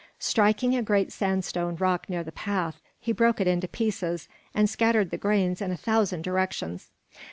Striking a great sandstone rock near the path, he broke it into pieces, and scattered the grains in a thousand directions.